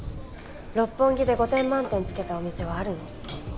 六本木で５点満点つけたお店はあるの？